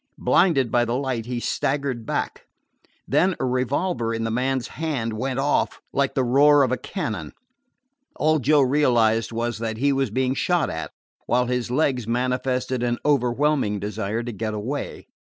Blinded by the light, he staggered back. Then a revolver in the man's hand went off like the roar of a cannon. All Joe realized was that he was being shot at, while his legs manifested an overwhelming desire to get away.